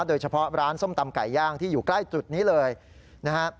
โดยเฉพาะร้านส้มตำไก่ย่างที่อยู่ใกล้จุดนี้เลยนะครับ